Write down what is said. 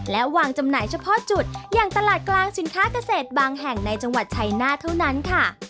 และวางจำหน่ายเฉพาะจุดอย่างตลาดกลางสินค้าเกษตรบางแห่งในจังหวัดชัยนาธเท่านั้นค่ะ